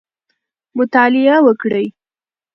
مطالعه وکړئ.